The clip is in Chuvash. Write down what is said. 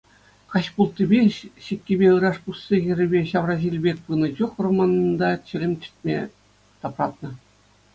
Каҫпулттипе сиккипе ыраш пусси хӗррипе ҫавраҫил пек пынӑ чух вӑрманта чӗлӗм чӗртме тапратнӑ.